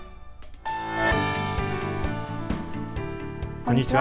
こんにちは。